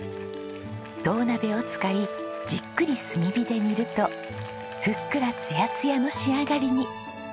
銅鍋を使いじっくり炭火で煮るとふっくらツヤツヤの仕上がりに。